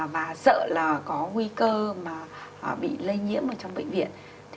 và sợ là có nguy cơ bị lây nhiễm trong bệnh viện